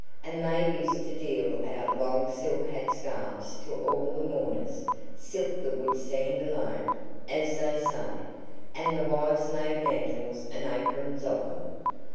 And they used to deal out long silk hat scarves to all the mourners silk that would stand alone, as they say and the wives made mantles and aprons of them.